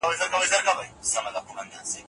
قامونه له روښانه ماضي سره تړلي وي